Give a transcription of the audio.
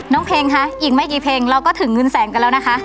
เพลงคะอีกไม่กี่เพลงเราก็ถึงเงินแสนกันแล้วนะคะ